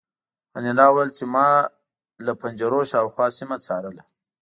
انیلا وویل چې ما له پنجرو شاوخوا سیمه څارله